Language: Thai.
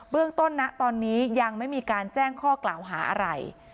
เรื่องต้นนะตอนนี้ยังไม่มีการแจ้งข้อกล่าวหาอะไร